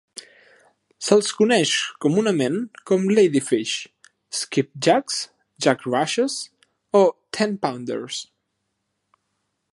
Se'ls coneix comunament com "ladyfish", "skipjacks", "jack-rashes" o "tenpounders".